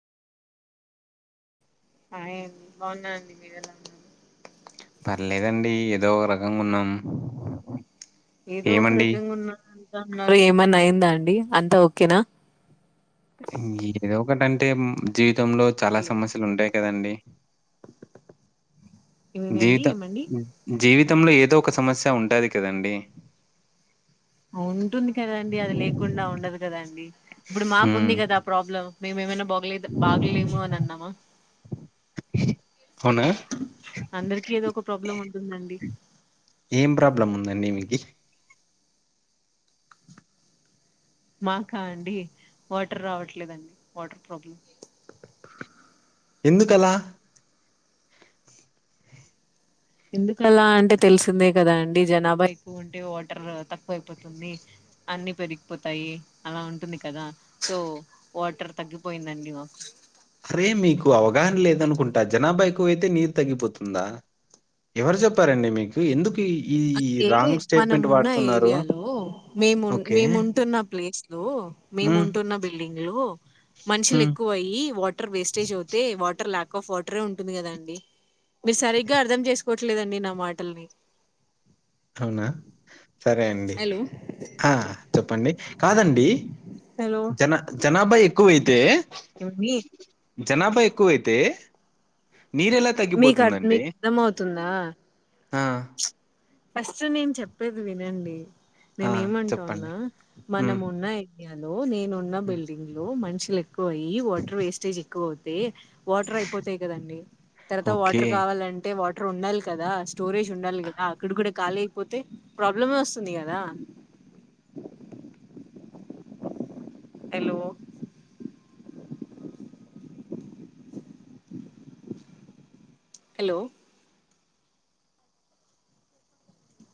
High అండి బాగున్నానండి మీరేలా ఉన్నారు పర్లేదండి ఏదో ఒక రకంగా ఉన్నాం ఏదో ఒక ఏమండి రకంగా ఉన్న అంట ఉన్నారు ఏమన్నా అయిందా అండి అంతా ఓకేనా ఏదో ఒకంటంటే జీ జీవితంలో చాలా హలో సమస్యలు ఉంటాయి కదండి ఏమేమండి జీవిత ఏమండి జీవిత తంలో ఏదో ఒక సమస్య ఉంటుంది కదండి ఉంటుంది కదండి అది లేకుండా ఉండదు కదండి ఇప్పుడు హ్మ్. మాకుంది కదా ఆ ప్రాబ్లం మేము ఏమైనా బాగోలే బాగలేము అని అన్నామా అవునా? అందరికి ఏదో ఒక ప్రాబ్లం ఉంటుందండి ప మాకా అండి వాటర్ రావట్లేదండి వాటర్ ప్రాబ్లం ఎందుకలా ఎందుకలా అంటే తెలిసిందే కదా అండి జనాభా ఎక్కువ ఉంటే వాటర్ రావు తక్కువ అయిపోతుంది అన్ని పెరిగిపోతాయి అలా ఉంటుంది కదా సో వాటర్ తగ్గిపోయిందండి మాకు అరే మీకు అవగాహన లేదనుకుంటా జనాభా ఎకువ అయితే నీరు తగ్గిపోతుందా ఎవరు చెప్పారండి మీకు ఎందుకు ఈ ఈ అంటే రాంగ్ మనము స్టేట్‌మెంట్ ఉన్న వాడుతున్నారు? ఏరియాలో ఓకే. మేముంటున్న ప్లేస్ లో మేము హ్మ్. ఉంటున్న బిల్డింగ్లో మనుషులు హ్మ్. ఎక్కువ అయ్యి వాటర్ వేస్టేజ్ అవుతే వాటర్ లాక్. ఒక వాటరే ఉంటుంది కదా అండి. మీరు సరిగ్గా అర్ధం చేసుకోవట్లేదండి నా మాటల్ని. అవునా సరే అండి హలో ఆహ్ చెప్పండి కాదండి. జనా జనాభా ఎక్కువైతే. ఇవ మీ. జనాభా ఎక్కువైతే. నీరు ఎలా మీకు అర్- తగ్గిపోతుందండి మీకు అర్థం అవుతుందా ఆహ్. ఫస్ట్ నేను చెప్పేది వినండి. ఆ! చెప్పండి. నేనేమంటూన్నా మనం హ్మ్. ఉన్న ఏరియాలో నేనున్న హ్మ్. బిల్డింగ్ లో మనుషులు ఎక్. ఎక్కువయి వాటర్ వేస్టేజ్ ఎక్కువ అవుతే వాటర్ అయిపోతాయి కదండి తర్వాత వాటర్ ఓకే. కావాలంటే వాటర్ ఉండాలి కదా స్టోరేజ్ ఉండాలి కదా ఇక్కడ కాళీ అయిపోతే ప్రాబ్లమే వస్తుంది కదా. హలో. హలో.